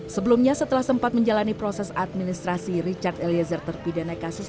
sebelumnya setelah sempat menjalani proses administrasi richard eliezer terpidana kasus